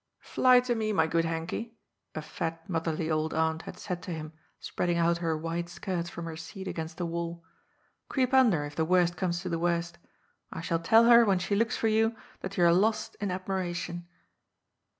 " Fly to me, my good Henkie," a fat motherly old aunt had said to him, spreading out her wide skirts from her seat against the wall. ^' Creep under, if the worst comes to the worst. I shall tell her, when she looks for you, that you are lost in admiration."